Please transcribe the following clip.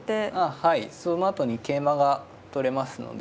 はいそのあとに桂馬が取れますので。